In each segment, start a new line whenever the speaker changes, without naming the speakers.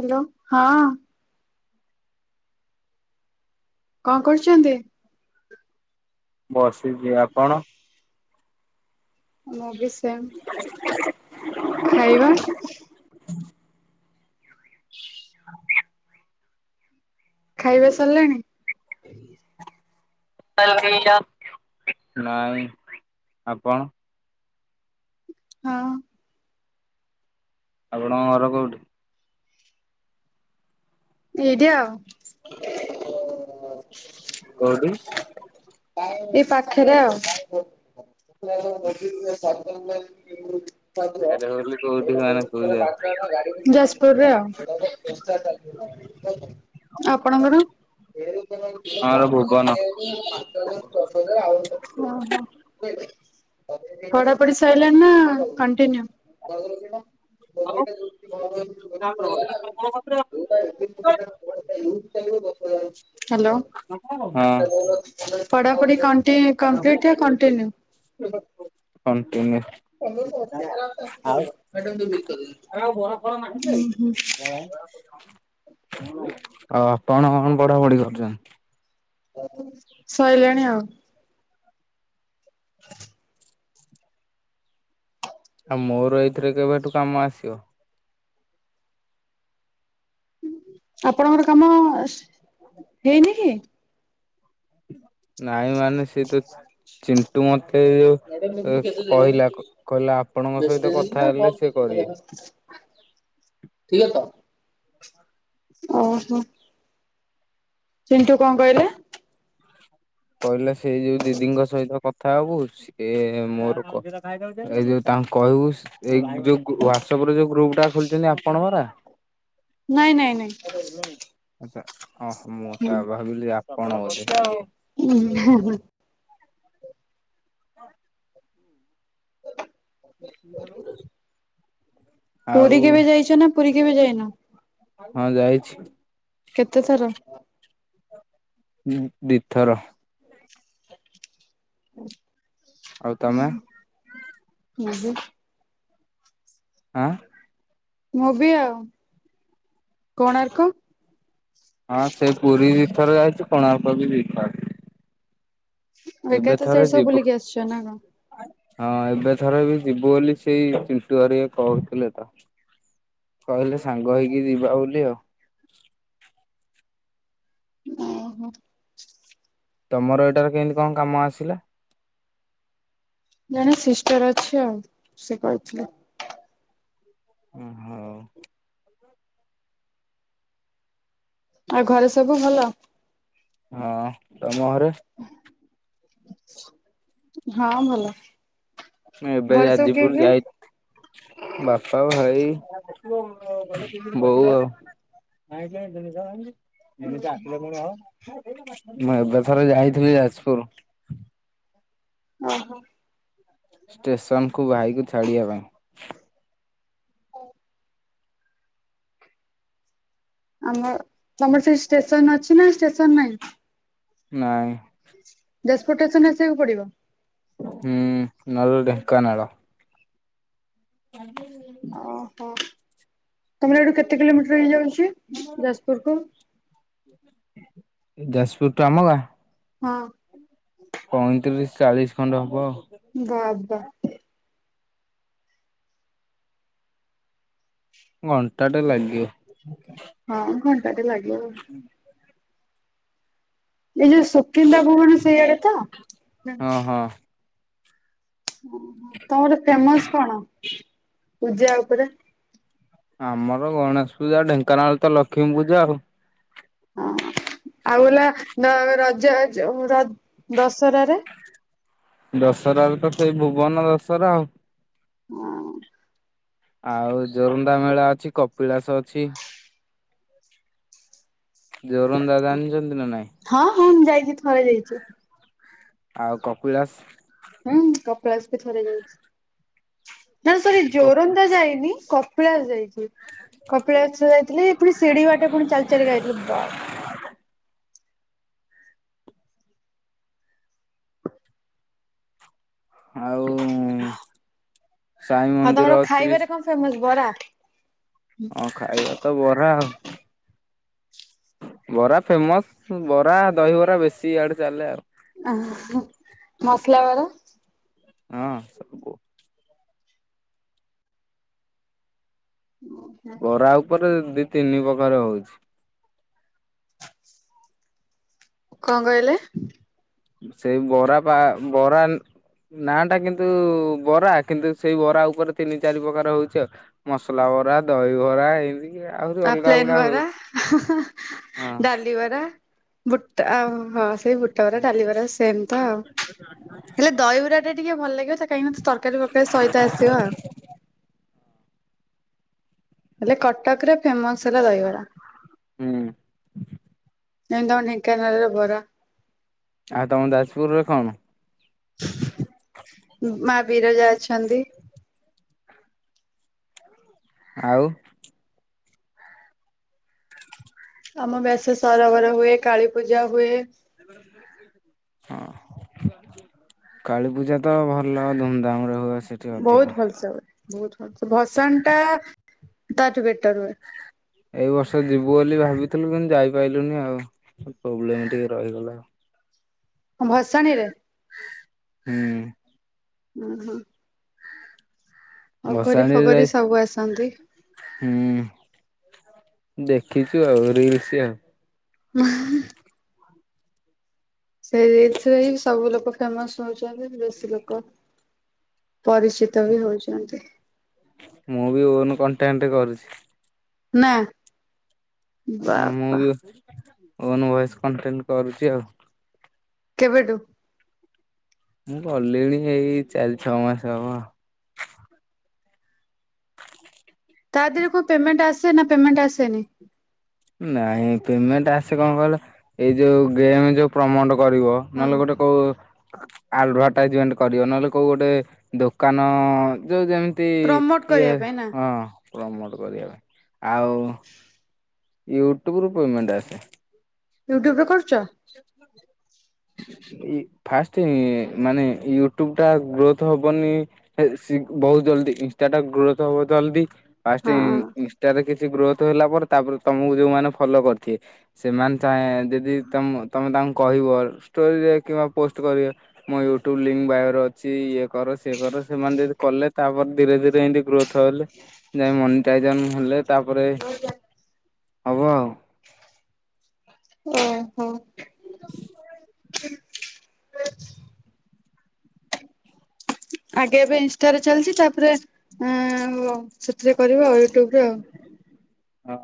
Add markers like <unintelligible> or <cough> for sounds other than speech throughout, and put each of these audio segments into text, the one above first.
Hello ହଁ। କଣ କରୁଚନ୍ତି?
ବସିଛି ଆପଣ
ମୁଁ ବି ସେମ ଖାଇବା ଖାଇବା ସରିଲାଣି
ନାଇଁ ଆପଣ
ହଁ
ଆପଣଙ୍କ ଘର କୋଉଠି
ଏଇଠି ଆଉ
କୋଉଠି?
ଏଇ ପାଖରେ ଆଉ
ଏକାରେ ବୋଲି କୋଉଠି ମାନେ କୋଉ
ଯା ପୁରରେ ଆଉ ଆଉ ଆପଣଙ୍କର
ଆମର ଭୁବନ
ହଁ ହଁ ପଢାପଢି ସରିଲାଣି ନା କଣ୍ଟିନ୍ୟୁ <unintelligible>
<inaudible>
ହ୍ୟାଲୋ
ହଁ
ପଢାପଢି କଣ୍ଟି କମ୍ପ୍ଲିଟ୍ ନା କଣ୍ଟିନ୍ୟୁ
କଣ୍ଟିନ୍ୟୁ
ଉଁ ହୁଁ
ଆଉ ଆପଣ କଣ ପଢାପଢି କରୁଛନ୍ତି
ସଇଲାଣି ଆଉ
ଆଉ ମୋର ଏଇଥିରେ କେବେଠୁ କାମ ଆସିବ
ଆପଣଙ୍କର କାମ ସେ ହେଇନି କି
ନାଇଁ ମାନେ ସେ ତ ଚିଣ୍ଟୁ ମତେ ଯୋଉ କହିଲା କହିଲା ଆପଣଙ୍କ ସହିତ କଥା ହେଲେ ସେ କରିବେ
ଠିକ ଅଛ ଓହୋ ଚିଣ୍ଟୁ କଣ କହିଲେ
କହିଲା ସେଇ ଯୋଉ ଦିଦିଙ୍କ ସହିତ କଥା ହବୁ ସେ ମୋର କ ଏ ଯୋଉ ତାଙ୍କୁ କହିବୁ ଏଇ ଯୋଉ ଗ୍ରୁ ହ୍ୱାଟସଆପ ରେ ଯୋଉ ଗ୍ରୁପ ଟା ଖୋଲିଛନ୍ତି ଆପଣଙ୍କର ରା
ନାଇଁ ନାଇଁ ନାଇଁ
ହୁଁ ଓ ତ ହଁ ମୁଁ ତ ଭାବିଲି ଆପଣ ବୋଧେ
ନାଁ ନାଁ
ହ ସ୍କୁଲ ଆଉ
ପୁରୀ କେବେ ଯାଇଛ ନା ପୁରୀ କେବେ ଯାଇନ
ହଁ ଯାଇଛି
କେତେ ଥର
ଦି ଥର ଆଉ ତମେ
ହୁଁ ମୁଁ ବି
ଆଁ
ମୁଁ ବି ଆଉ କୋଣାର୍କ
ହଁ ସେ ପୁରୀ ଦି ଥର ଯାଇଛୁ। କୋଣାର୍କ ବି ଦି ଥର
ଆଉ ଏକା ତ
ଥରେ
ସିଆଡେ ସବୁ
ଯିବୁ।
ବୁଲିକି ଆସିଛ ନା କଣ?
ହଁ ଏବେ ଥର ବି ଯିବୁ ବୋଲି ସେଇ ଚିଣ୍ଟୁ ହେରିକା କହୁଥିଲେ ତ। କହିଲେ ସାଙ୍ଗ ହେଇକି ଯିବା ବୋଲି ଆଉ।
ଓହୋ।
ତମର ଏଇଟାରେ କେମିତି କଣ କାମ ଆସିଲା?
ଜଣେ ସିଷ୍ଟର ଅଛି ଆଉ ସେ କହିଥିଲେ।
ଓ ହଉ। ହଁ
ଆଉ ଘରେ ସବୁ ଭଲ।
ହଁ ତମ ଘରେ
ହଁ ଭଲ।
ମୁଁ ଏବେ
ଘରେ ସବୁ କିଏ
ଯାଜପୁର
କିଏ?
ଯାଇ ବାପା ଭାଇ ବୋଉ ଆଉ। କାହିଁକି ନା ଜିନିଷ ଏମିତି। ମଣିଷ ଆସିଲେ ପୁଣି ହବ। ମୁଁ ଏବେ ଥରେ ଯାଇଥିଲି ଯାଜପୁର।
ଓହୋ
ଷ୍ଟେସନକୁ ଭାଇକୁ ଛାଡ଼ିବା ପାଇଁ।
ଓ ଆମ ତମର ସେ ଷ୍ଟେସନ୍ ଅଛି ନା ଷ୍ଟେସନ୍ ନାହିଁ।
ନାଇଁ
ଯାଜପୁର ଷ୍ଟେସନ୍ ଆସିବାକୁ ପଡ଼ିବ।
ହୁଁ ନହେଲେ ଢେଙ୍କାନାଳ <unintelligible>
ଓହୋ ତମର ଏଇଠୁ କେତେ କିଲୋମିଟର ହେଇଯାଉଛି ଯାଜପୁରକୁ।
ଯାଜପୁର ତମ ଗାଁ।
ହଁ
ପଇଁତିରିଶି ଚାଳିଶି ଖଣ୍ଡେ ହବ।
ବାବା
ଘଣ୍ଟାଟେ ଲାଗିବ।
ହଁ ଘଣ୍ଟାଟେ ଲାଗିବ।
ହୁଁ
ଏଇ ଯୋଉ ସୁକିନ୍ଦା ଭଉଣୀ ସେଇଆଡ଼େ ତ
ହଁ
ଜାଣିଛି।
ହଁ
ଓହୋ ତମର ଫେମସ୍ କଣ ପୂଜା ଉପରେ?
ଆମର ଗଣେଶ ପୂଜା ଢେଙ୍କାନାଳ ତ ଲକ୍ଷ୍ମୀ ପୂଜା ଆଉ।
ହଁ ଆଉ ହେଲା ର -ରଜ ଜ ର ଦଶହରାରେ
ଦଶହରାରେ ତ ସେଇ ଭୁବନ ଦଶହରା ଆଉ।
ହଁ
ଆଉ ଯୋରନ୍ଦା ମେଳା ଅଛି କପିଳାସ ଅଛି। ଯୋରନ୍ଦା ଜାଣିଚନ୍ତି ନା ନାଇଁ।
ହଁ ହଁ ମୁଁ ଯାଇଛି ଥରେ ଯାଇଛି
ଆଉ କପିଳାସ।
ହୁଁ କପିଳାସ ବି ଥରେ ଯାଇଛି। ନାଁ ସରି
କପି
ଯୋରନ୍ଦା ଯାଇନି। କ କପିଳାସ ଯାଇଛି। କପିଳାସ ଯାଇଥିଲି ପୁଣି ଶିଢି ବାଟେ ପୁଣି ଚାଲି ଚାଲିକା ଯାଇଥିଲି। ବା
ଆଉ ସାଇ
ଆଉ ତମର
ମନ୍ଦିର ଅଛି ବି।
ଖାଇବାରେ କଣ ଫେମସ ବରା
ହଁ ଖାଇବା ତ ବରା ଆଉ। ବରା ଫେମସ ବରା, ଦହିବରା ବେଶୀ ଇଆଡେ ଚାଲେ ଆଉ।
ଆ ହଁ ମସଲା ବରା।
ହଁ ସବୁ।
ମୁଁ ଖା
ବରା ଉପରେ ଦି, ତିନି ପ୍ରକାର ହଉଛି।
କଣ କହିଲେ?
ସେଇ ବରା ପା ବରା। ନା ଟା କିନ୍ତୁ ବରା କିନ୍ତୁ ସେଇ ବରା ଉପରେ ତିନି, ଚାରି ପ୍ରକାର ହଉଛି। ମସଲା ବରା, ଦହି ବରା ଏମିତି। ଆହୁରି
ଆଉ
ଅଲଗା
ପ୍ଲେନ୍
ଅଲଗା
ବରା
ହଉଛି
ହାଁ
ହଁ
ହାଁ ଡାଲି ବରା, ବୁଟ ଆଉ ହ <unintelligible> ବୁଟବରା, ଡାଲିବରା ସେମ ତ ଆଉ ହେଲେ ଦହିବରା ଟା ଟିକେ ଭଲ ଲାଗିବ ତା କାହିଁକି ନା ତରକାରୀ ଫରକାରୀ ସହିତ ଆସିବ ଆଉ।
ହ।
ହେଲେ କଟକରେ ଫେମସ ହେଲା ଦହିବରା।
ହୁଁ।
ଯେମିତି ତମ ଢେଙ୍କାନଳରେ ବରା।
ଆଉ ତମ ଯାଜପୁରରେ କଣ?
ଉଁ ମା ବିରଜା ଅଛନ୍ତି।
ଆଉ।
ଆମର <unintelligible> ସରୋବର ହୁଏ। କାଳୀ ପୂଜା ହୁଏ।
ହଁ। କାଳୀ ପୂଜା ତ ଭଲ ଧୁମଧାମ ରେ ହୁଏ ସେ
ବହୁତ ଭଲସେ ହୁଏ ବହୁତ ଭଲସେ ଭସାଣୀ ଟା ତାଠୁ ବେଟର ହୁଏ।
ଏଇ ବର୍ଷ ଯିବୁ ବୋଲି ଭାବିଥିଲୁ କିନ୍ତୁ ଯାଇପାଇଲୁନି ଆଉ। ପ୍ରୋବ୍ଲେମ ଟିକେ ରହିଗଲା।
କଁ ଭସାଣୀ ରେ।
ହୁଁ।
ଉଁ ହୁଁ।
ଭସାଣିରେ
ଫଗରି
ଯାଇ
ସବୁ ଆସନ୍ତି।
ହୁଁ ଦେଖିଛୁ ଆଉ ରିଲସ ଆଉ।
<unintelligible> ସେଇଥିରେ ସବୁ ଲୋକ ଫେମସ ହଉଛନ୍ତି। ବେଶୀ ଲୋକ ପରିଚି ତ ବି ହଉଛନ୍ତି।
ମୁଁ ବି ଓନ କଣ୍ଟେଣ୍ଟ କରୁଛି।
ନା।
ହଁ ମୁଁ
ବାବା
ବି ଓନ ଭଏସ କଣ୍ଟେଣ୍ଟ କରୁଛି ଆଉ।
କେବେଠୁ?
ମୁଁ କଲିଣି ଏଇ ଚାରି, ଛଅ ମାସ ହବ।
ତା ଦେହରେ କ ପେମେଣ୍ଟ ଆସେ ନା ପେମେଣ୍ଟ ଆସେନି?
ନାଇଁ ପେମେଣ୍ଟ ଆସେ କଣ କହିଲ ଏଇ ଯୋଉ ଗେମ ଯୋଉ ପ୍ରମୋଟ କରିବ।
ହଁ।
ନହେଲେ ଗୋଟେ କୋଉ। ଆଡଭାଟାଇଜମେଣ୍ଟ କରିବ ନହେଲେ କୋଉ ଗୋଟେ ଦୋକାନ ଯୋଉ ଯେମ ତି
ପ୍ରମୋଟ
ଇଏ
କରିବା ପାଇଁ ନା
ହଁ ପ୍ରମୋଟ କରିବା ପାଇଁ ଆଉ।
<inaudible>
ୟୁ ଟ୍ୟୁବରୁ ପେମେଣ୍ଟ ଆସେ।
ୟୁ ଟ୍ୟୁବ ରେ କରୁଚ।
<unintelligible> ଇ ଫାଷ୍ଟେ ମାନେ ୟୁଟ୍ୟୁବ ଟା ଗ୍ରୋଥ ହବନି। <unintelligible> ବହୁତ ଜଲଦି ଇନ୍ସାଟା ଗ୍ରୋଥ ହବ ଜଲଦି ଫାଷ୍ଟ ଇ
ହଁ।
ଟାରେ କିଛି ଗ୍ରୋଥ ହେଲା ପରେ ତାପରେ ତମକୁ ଯୋଉମାନେ ଫଲୋ କରିଥିଏ ସେମାନେ ଚା ଯଦି ତମ ତମେ ତାଙ୍କୁ କହିବ ଷ୍ଟୋରିରେ କିମ୍ବା ପୋଷ୍ଟ କରିବ ମୋ ୟୁଟ୍ୟୁବ ଲିଙ୍କ ବାୟୋରେ ଅଛି ଇଏ କର ସିଏ କର ସେମାନେ ଯଦି କଲେ ତାପରେ ଧୀରେ ଧୀରେ ଏମତି ଗ୍ରୋଥ ଥ ହେଲେ ଯାଇ ମନିଟାଇଜନ ହେଲେ ତାପରେ ହବ ଆଉ।
ଓହୋଃ ହଁ। ଆଗେ ଏବେ ଇନଷ୍ଟାରେ ଚାଲିଚି ଉଁ ଉ ତାପରେ ଆଃ ସେଥିରେ କରିବ ଆ ୟୁଟ୍ୟୁବରୁ ଆଉ।
ହଁ।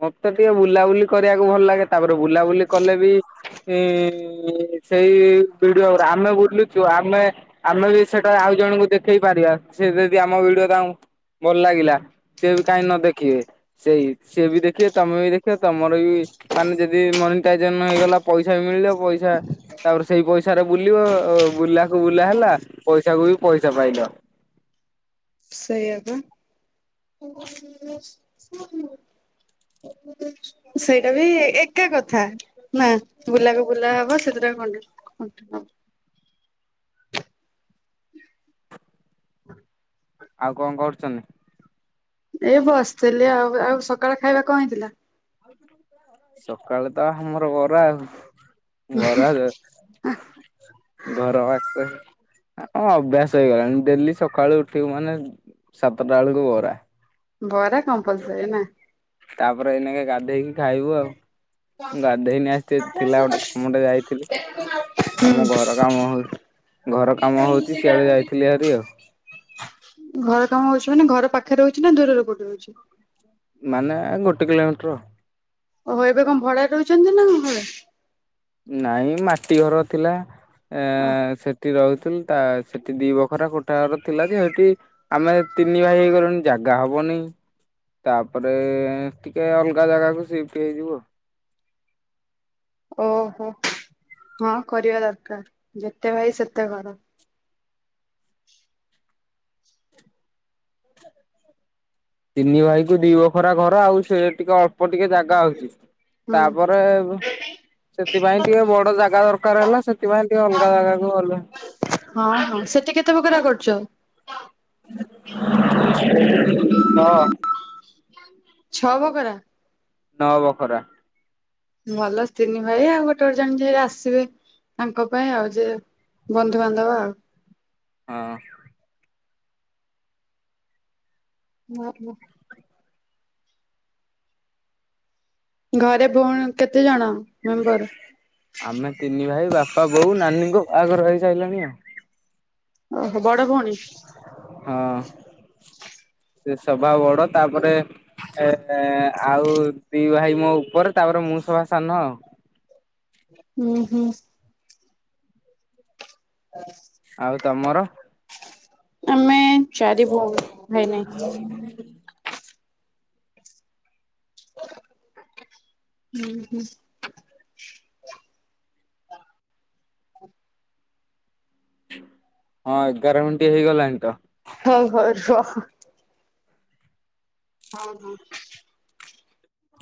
ମତେ ଟିକେ ବୁଲାବୁଲି କରିଆକୁ ଭଲ ଲାଗେ ତାପରେ ବୁଲାବୁଲି କଲେ ବି ଉଁ ଉଁ ଉଁ ସେଇ ବିଡିଓ ଉରା ଆମେ ବୁଲୁଛୁ ଆମେ ଆମେ ବି ସେଟା ଆଉ ଜଣଙ୍କୁ ଦେଖେଇ ପାରିବା ସେ ଯଦି ଆମ ଭିଡିଓ ତାଙ୍କୁ ଭଲ ଲାଗିଲା ସିଏ ବି କାଇଁ ନ ଦେଖିବେ ସେଇ ସିଏ ବି ଦେଖିଏ ତମେ ବି ଦେଖିବ ତମର ବି ମାନେ ଯଦି ମନିଟାଇଜନ ହେଇଗଲା ପଇସା ବି ମିଳିଲା ପଇସା ତାପରେ ସେଇ ପଇସାରେ ବୁଲିବ ବୁଲାକୁ ବୁଲା ହେଲା ପଇସାକୁ ବି ପଇସା ପାଇଲ।
ସେଇଆ ବା। <unintelligible> ଏମିତି ସେଇଟା ବି ଏକା କଥା ନା ବୁଲା କ ବୁଲା ହବ ସେଇଥିରେ <unintelligible> <unintelligible> ହଁ।
ଆଉ କଣ କରୁଚନ୍ତି?
ଏଇ ବସିଥିଲି ଆଉ ଆଉ ସକାଳେ ଖାଇବା କଣ ହେଇଥିଲା?
ସକାଳେ ତ ହାମର ବରା ଆଉ ବରା ଚ
ଆ
ଘର ଆସ। ଆ ଅଭ୍ୟାସ ହେଇଗଲାଣି ଡେଲି ସକାଳୁ ଉଠୁଉ ମାନେ ସାତଟା ଏଳକୁ ବରା।
ବରା କମ୍ପଲସରୀ ନା।
ତାପରେ ଏନାକେ ଗାଧୋଇକି ଖାଇବୁ ଆଉ ଗାଧେଇନି ଆଜି ଟିକେ ଥିଲା ଗୋଟେ କାମଟେ ଯାଇଥିଲି। ଆମ ଘର କାମ ହଉ ଘର କାମ ହଉଚି ସିଆଡେ ଯାଇଥିଲି ହେରି ଆଉ।
ଘର କାମ ହଉଚି ମାନେ ଘର ପାଖରେ ହଉଚି ନା ଦୂରରେ କୋଉଠି ହଉଚି।
ମାନେ ଗୋଟେ କିଲୋମିଟର।
ଓହୋ ଏବେ କଣ ଭଡା ରହୁଚନ୍ତି ନା ଘରେ
ନାଇଁ ମାଟି ଘର ଥିଲା ଏଁ ଏଁ ସେଠି ରହୁଥୁଲ ତା ସେଠି ଦି ବଖରା କୋଠାଘର ଥିଲା ଯେ ସେଠି ଆମେ ତିନି ଭାଇ ହେଇ ଗଲୁଣି ଜାଗା ହବନି। ତାପରେ ଟିକେ ଅଲଗା ଜାଗାକୁ ସିଫ୍ଟ ହେଇଯିବୁ ଆଉ।
ଓହୋ ହଁ କରିବା ଦରକାର ଯେତେ ଭାଇ ସେତେ ଘର।
ତିନି ଭାଇ କୁ ଦି ବଖରା ଘର ଆଉ ସେ ଟିକେ ଅଳ୍ପ ଟିକେ ଜା ଗା ହଉଚି
ହୁଁ
ତାପରେ ସେଥିପାଇଁ ଟିକେ ବଡ ଜାଗା ଦରକାର ହେଲା ସେଥିପାଇଁ ଟିକେ ଅଲଗା ଜାଗାକୁ ଗଲୁ।
ହଁ ହଁ ସେଠି କେତେ ବଖରା କରୁଚ?
ହଁ।
ଛଅ ବଖରା।
ନଅ ବଖରା।
ଭଲ ତିନି ଭାଇ ଆଉ ଗୋଟେ ଗୋଟେ ଜଣ ଯିଏ ଆସିବେ ତାଙ୍କ ପାଇଁ ଆଉ ଯେ ବନ୍ଧୁବାନ୍ଧବ ଆଉ
ହଁ।
ହ। ଘରେ ଭଉଣୀ କେତେ ଜଣ ମେମ୍ବର
ଆମେ ତିନି ଭାଇ ବାପା ବୋଉ ନାନୀଙ୍କ ବାହାଘର ହେଇସାରିଲାଣି ଆଉ
ଓହୋ ବଡ ଭଉଣୀ
ହଁ ସେ ସଭା ବଡ ତାପରେ ଏ ଆଉ ଦି ଭାଇ ମୋ ଉପରେ ତାପରେ ମୁଁ ସଭା ସାନ
ହୁଁ ହୁଁ। ହ।
ଆଉ ତମର।
ଆମେ ଚାରି ଭଉଣୀ ଭାଇ ନାଇଁ।
ହ।
ହୁଁ ହୁଁ।
ହଁ ଏଗାର ମିନିଟ ହେଇଗଲାଣି ତ।
ହଉ ହଉ ରୁହ। ହଁ ହଁ।